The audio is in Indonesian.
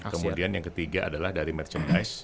kemudian yang ketiga adalah dari merchandise